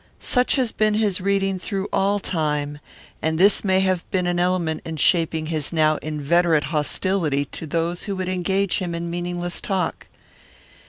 Such has been his reading through all time, and this may have been an element in shaping his now inveterate hostility toward those who would engage him in meaningless talk.